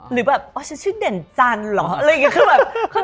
หรือแบบโอ้ชื่อเด่นจันหรออะไรอย่างงี้ก็แบบ